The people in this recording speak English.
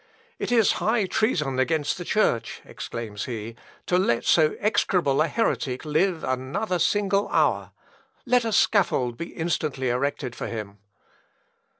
"It is high treason against the Church," exclaims he, "to let so execrable a heretic live another single hour. Let a scaffold be instantly erected for him!"